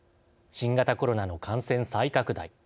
新型コロナの感染再拡大。